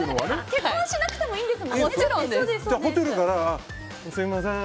結婚しなくてもいいんですもんね。